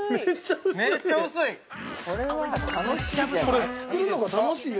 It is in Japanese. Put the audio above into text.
めっちゃ薄い。